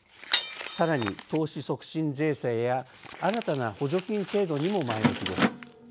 さらに投資促進税制や新たな補助金制度にも前向きです。